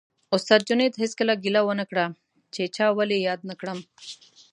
استاد جنید هېڅکله ګیله ونه کړه چې چا ولې یاد نه کړم